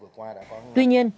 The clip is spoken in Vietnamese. bộ công an đã đánh giá